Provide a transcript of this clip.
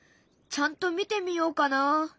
ちゃんと見てみようかな。